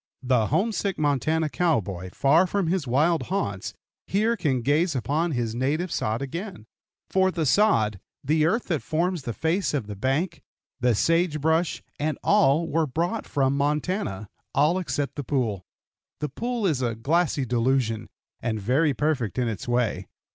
The homesick Montana cowboy, far from his wild haunts, can here gaze upon his native sod again; for the sod, the earth that forms the face of the bank, the sage brush, and all were brought from Montana all except the pool. The pool is a glassy delusion, and very perfect in its way.